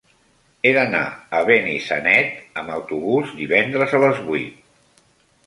He d'anar a Benissanet amb autobús divendres a les vuit.